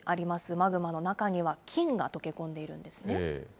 マグマの中には、金が溶け込んでいるんですね。